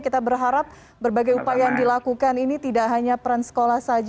kita berharap berbagai upaya yang dilakukan ini tidak hanya peran sekolah saja